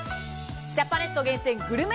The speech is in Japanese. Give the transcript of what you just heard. ジャパネット厳選グルメ